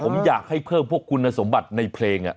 ผมอยากให้เพิ่มพวกคุณสมบัติในเพลง